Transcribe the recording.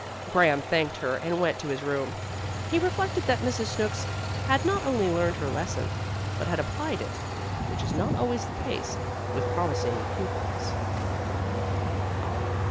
Graham thanked her and went to his room. He reflected that Mrs. Snooks had not only learned her lesson, but had applied it, which is not always the case with promising pupils.